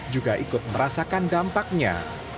juga ikut merasakan dampaknya